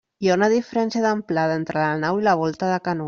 Hi ha una diferència d'amplada entre la nau i la volta de canó.